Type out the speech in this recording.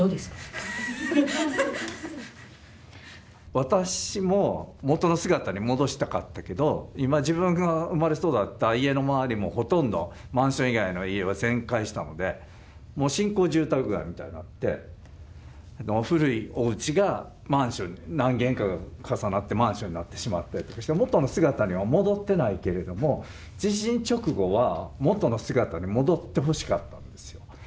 私も元の姿に戻したかったけど今自分が生まれ育った家の周りもほとんどマンション以外の家は全壊したのでもう新興住宅街みたいになって古いおうちが何軒かが重なってマンションになってしまったりとかして元の姿には戻ってないけれども地震直後は元の姿に戻ってほしかったんですよ。